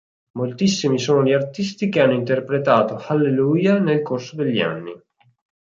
Moltissimi sono gli artisti che hanno interpretato "Hallelujah" nel corso degli anni.